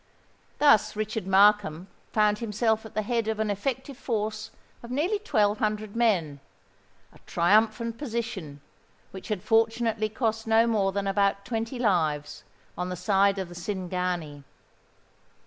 Thus Richard Markham found himself at the head of an effective force of nearly twelve hundred men—a triumphant position, which had fortunately cost no more than about twenty lives on the side of the Cingani.